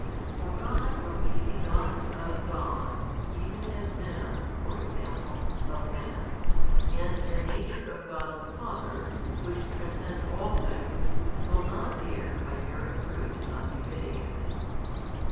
For God will be begotten of God even as man (for example) of man, and the Nature of God the Father, Which transcends all things, will not err by bearing fruit not befitting It.